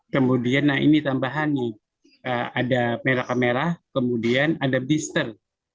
kemudian ini tambahan nih ada merah merah kemudian ada blister